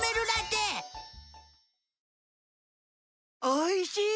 おいしい！